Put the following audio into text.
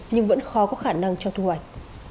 nhưng vẫn khó có khả năng cho thu hoạch